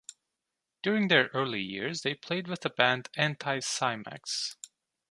During their early years they played with the band Anti Cimex.